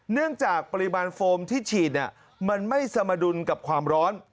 เนื่องจากปริมาณโฟมที่ฉีดมันไม่สมดุลกับความร้อน